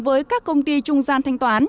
với các công ty trung gian thanh toán